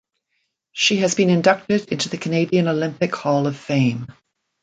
She has been inducted into the Canadian Olympic Hall of Fame.